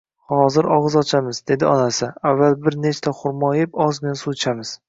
Hozir og`iz ochamiz, dedi onasi, avval bir nechta xurmo eb, ozgina suv ichamiz